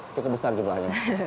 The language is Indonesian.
itu kebesar jumlahnya